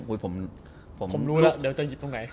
ผมรู้แล้วจะหยิบตรงไหน